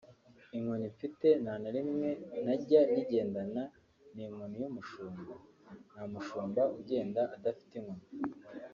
Inkoni mfite nta na rimwe ntajya nyigendana ni inkoni y’umushumba; nta mushumba ugenda adafite inkoni